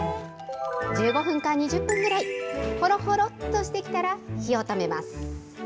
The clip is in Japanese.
１５分か２０分ぐらい、ほろほろっとしてきたら、火を止めます。